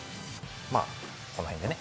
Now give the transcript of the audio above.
まあこの辺でね。